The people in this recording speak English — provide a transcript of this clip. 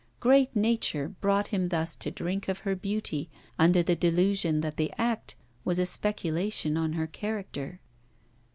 Great Nature brought him thus to drink of her beauty, under the delusion that the act was a speculation on her character.